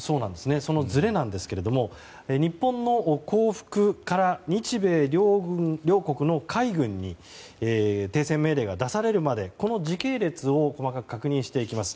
そのずれなんですが日本の降伏から日米両国の海軍に停戦命令が出されるまでの時系列を確認していきます。